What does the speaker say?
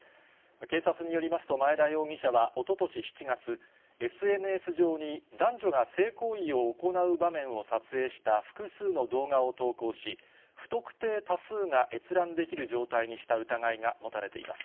警察によりますと前田容疑者はおととし７月、ＳＮＳ上に男女が性行為を行う場面を撮影した複数の動画を投稿し、不特定多数が閲覧できる状態にした疑いが持たれています。